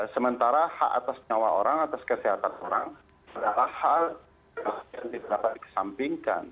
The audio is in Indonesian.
sementara hak atas nyawa orang atas kesehatan orang adalah hal yang dapat dikesampingkan